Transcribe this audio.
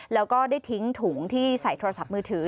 แล้วก็ได้ทิ้งถุงที่ใส่โทรศัพท์มือถือ